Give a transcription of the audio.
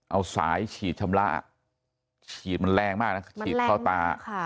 เอาสายฉีดชำระฉีดมันแรงมากนะมันแรงมากค่ะ